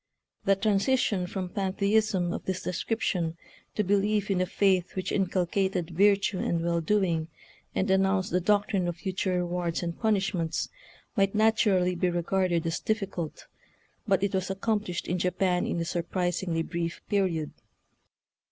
The transition from pantheism of this description to belief in a faith which inculcated virtue and well doing, and announced the doctrine of fu ture rewards and punishments, might naturally be regarded as difficult, but it was accomplished in Japan in a surpris ingly brief period.